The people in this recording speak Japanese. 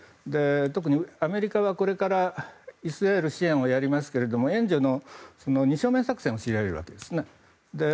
特にアメリカは、これからイスラエル支援をやりますが援助の二正面作戦を強いられるわけですね。